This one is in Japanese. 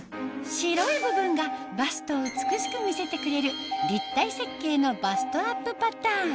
白い部分がバストを美しく見せてくれる立体設計のバストアップパターン